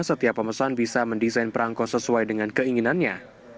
setiap pemesan bisa mendesain perangko sesuai dengan keinginannya